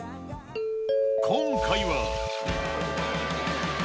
今回は。